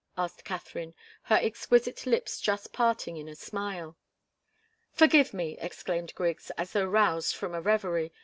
asked Katharine, her exquisite lips just parting in a smile. "Forgive me!" exclaimed Griggs, as though roused from a reverie.